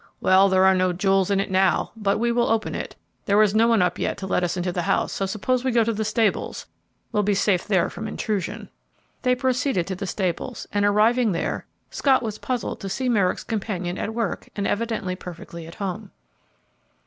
"Well, there are no jewels in it now, but we will open it. There is no one up yet to let us into the house, so suppose we go to the stables; we'll be safe there from intrusion." They proceeded to the stables, and, arriving there, Scott was puzzled to see Merrick's companion at work and evidently perfectly at home.